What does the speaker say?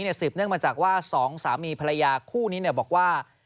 สืบเนื่องมาจากว่าสองสามีภรรยาคู่นี้บอกว่า